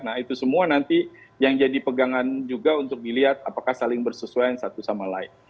nah itu semua nanti yang jadi pegangan juga untuk dilihat apakah saling bersesuaian satu sama lain